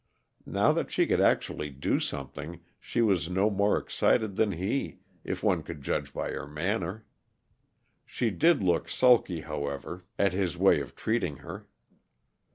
Now that she could actually do something, she was no more excited than he, if one could judge by her manner. She did look sulky, however, at his way of treating her.